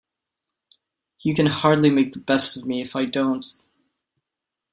You can hardly make the best of me if I don't.